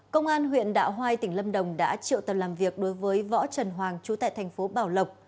công an huyện đạo hoai tỉnh lâm đồng đã triệu tầm làm việc đối với võ trần hoàng trú tại thành phố bảo lộc